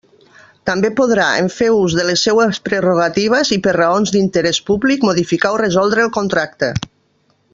També podrà, en fer ús de les seues prerrogatives i per raons d'interés públic, modificar o resoldre el contracte.